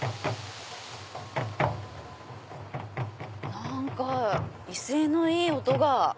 何か威勢のいい音が。